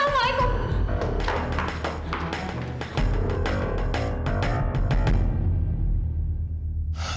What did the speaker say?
terima kasih andara